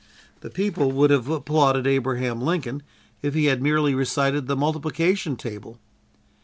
The people would have applauded Abraham Lincoln if he had merely recited the multiplication table!